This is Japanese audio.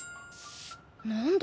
何だ？